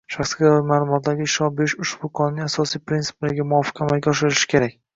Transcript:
Shaxsga doir ma’lumotlarga ishlov berish ushbu Qonunning asosiy prinsiplariga muvofiq amalga oshirilishi kerak.